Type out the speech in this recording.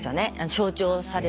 象徴される。